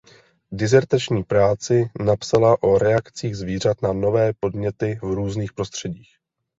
Disertační práci napsala o reakcích zvířat na nové podněty v různých prostředích.